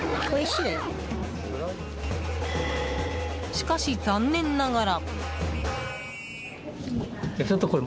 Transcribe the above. しかし、残念ながら。